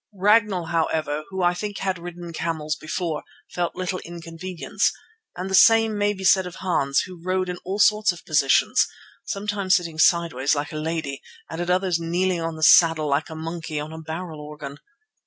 Ragnall, however, who I think had ridden camels before, felt little inconvenience, and the same may be said of Hans, who rode in all sorts of positions, sometimes sideways like a lady, and at others kneeling on the saddle like a monkey on a barrel organ.